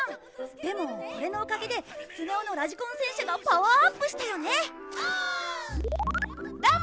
でもこれのおかげでスネ夫のラジコン戦車がパワーアップしたよね